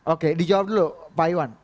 oke dijawab dulu pak iwan